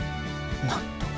なんと。